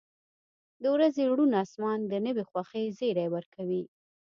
• د ورځې روڼ آسمان د نوې خوښۍ زیری ورکوي.